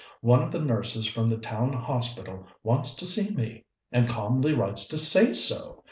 One of the nurses from the Town Hospital wants to see me, and calmly writes to say so!